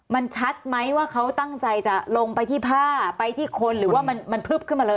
มันชัดไหมว่าเขาตั้งใจจะลงไปที่ผ้าไปที่คนหรือว่ามันพลึบขึ้นมาเลย